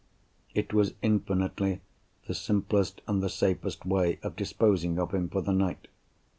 It was infinitely the simplest and the safest way of disposing of him for the night.